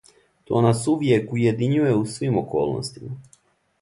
То нас увијек уједињује у свим околностима.